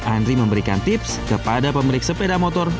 andri memberikan tips kepada pemilik sepeda motor